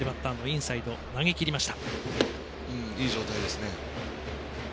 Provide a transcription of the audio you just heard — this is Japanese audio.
いい状態ですね。